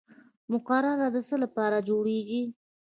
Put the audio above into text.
مقرره د څه لپاره جوړیږي؟